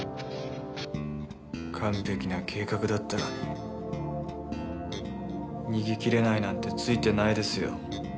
完璧な計画だったのに逃げ切れないなんてついてないですよ。